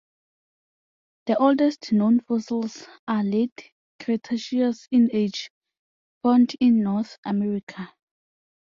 The oldest known fossils are late Cretaceous in age, found in North America.